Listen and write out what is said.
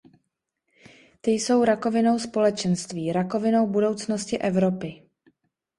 Ty jsou rakovinou společenství, rakovinou budoucnosti Evropy.